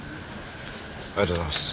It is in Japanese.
ありがとうございます。